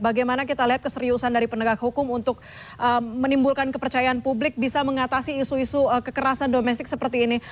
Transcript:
bagaimana kita lihat keseriusan dari penegak hukum untuk menimbulkan kepercayaan publik bisa mengatasi isu isu kekerasan domestik seperti ini